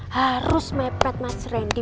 harus mepet mas randy